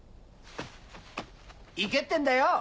行けってんだよ！